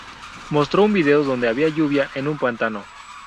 Mostró un video donde había lluvia en un pantano.